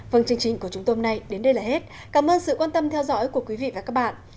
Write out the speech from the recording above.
phần chương trình của chúng tôi đến đây là hết cảm ơn sự quan tâm theo dõi của quý vị và các bạn